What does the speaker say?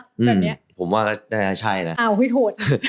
งือผมว่าก็ใช่นะอ้าวให้โหด